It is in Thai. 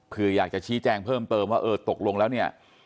เพื่ออยากจะชี้แจงเพิ่มเติมว่าเออตกลงแล้วเนี่ย